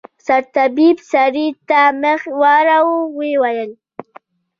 سرطبيب سړي ته مخ واړاوه ويې ويل.